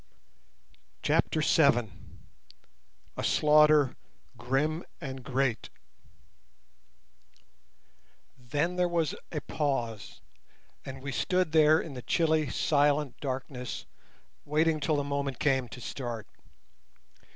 CHAPTER VII. A SLAUGHTER GRIM AND GREAT Then there was a pause, and we stood there in the chilly silent darkness waiting till the moment came to start.